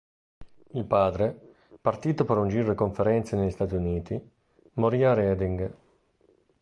Il padre, partito per un giro di conferenze negli Stati Uniti, morì a Reading.